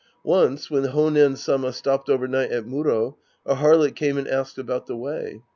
Once when Honen Sama stopped over night at Muro, a harlot came and asked about the Way.